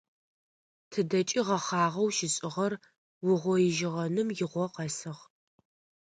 Тыдэкӏи гъэхъагъэу щишӏыгъэр угъоижьыгъэным игъо къэсыгъ.